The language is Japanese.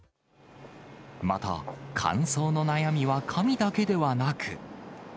また、乾燥の悩みは髪だけではなく。